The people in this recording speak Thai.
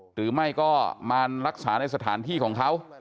หรือไม่ก็มารักษาในสถานที่ของเขา